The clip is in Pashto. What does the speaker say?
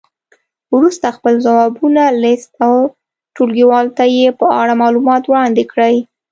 وروسته خپل ځوابونه لیست او ټولګیوالو ته یې په اړه معلومات وړاندې کړئ.